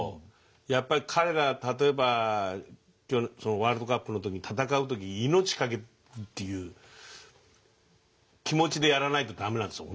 やっぱり彼らが例えばワールドカップの時に戦う時命かけるっていう気持ちでやらないと駄目なんですよ